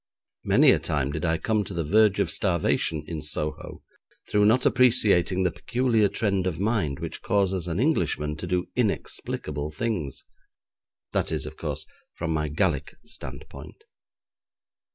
Many a time did I come to the verge of starvation in Soho, through not appreciating the peculiar trend of mind which causes an Englishman to do inexplicable things that is, of course, from my Gallic standpoint.